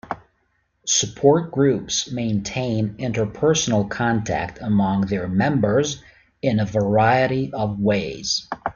Support groups maintain interpersonal contact among their members in a variety of ways.